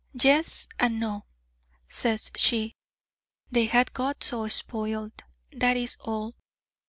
'Yes, and no,' says she: 'they had got so spoiled, that is all.